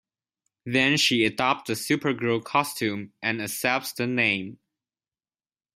Then she adopts the Supergirl costume and accepts the name.